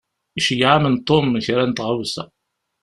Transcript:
Iceyyeɛ-am-n Tom kra n tɣawsa.